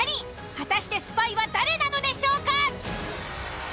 果たしてスパイは誰なのでしょうか！？